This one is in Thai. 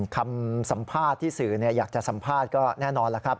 คำสัมภาษณ์ที่สื่ออยากจะสัมภาษณ์ก็แน่นอนแล้วครับ